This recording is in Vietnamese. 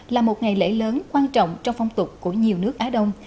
là một ngày lễ lớn quan trọng trong phong tục của nhiều nước á đông